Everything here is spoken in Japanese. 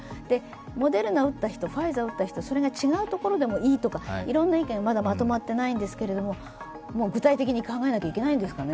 モデルナを打った人、ファイザーを打った人、それが違うところでもいいとか、いろんな意見がまだまとまっていないんですけれどももう具体的に考えなきゃいけないんですかね。